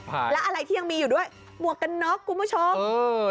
แล้วอะไรที่ยังมีอยู่ด้วยมัวกกันน็อกกุมโชค